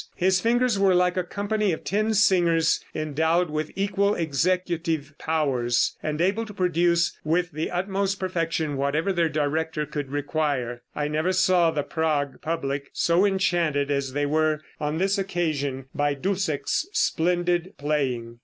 His fingers were like a company of ten singers, endowed with equal executive powers, and able to produce with the utmost perfection whatever their director could require. I never saw the Prague public so enchanted as they were on this occasion by Dussek's splendid playing.